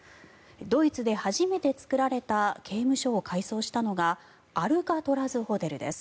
ドイツで初めて作られた刑務所を改装したのがアルカトラズ・ホテルです。